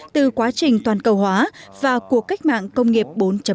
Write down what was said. từ quá trình toàn cầu hóa và cuộc cách mạng công nghiệp bốn